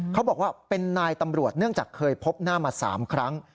เขาบอกว่าเป็นนายตำรวจเนื่องจากเคยพบหน้ามา๓ครั้ง